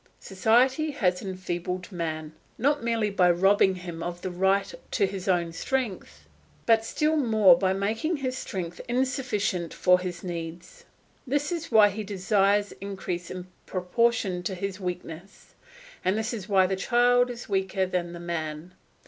Society has enfeebled man, not merely by robbing him of the right to his own strength, but still more by making his strength insufficient for his needs. This is why his desires increase in proportion to his weakness; and this is why the child is weaker than the man.